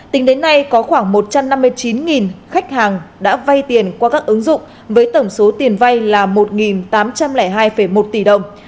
tính đến nay có khoảng một trăm năm mươi chín khách hàng đã vay tiền qua các ứng dụng với tổng số tiền vay là một tám trăm linh hai một tỷ đồng